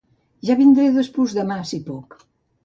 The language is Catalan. Ja vindré despús-demà, si puc.